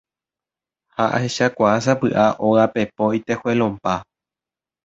ha ahechakuaa sapy'a óga pepo itejuelonpa